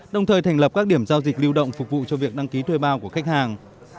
đồng thời thành lập các điểm giao dịch lưu động phục vụ cho việc đăng ký thuê bao của khách hàng